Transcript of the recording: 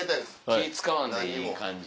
気ぃ使わんでいい感じ。